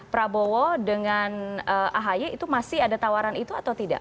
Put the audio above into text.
prabowo dengan ahy itu masih ada tawaran itu atau tidak